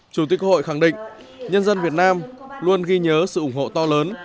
chủ tịch hội khẳng định nhân dân việt nam luôn ghi nhớ sự ủng hộ to lớn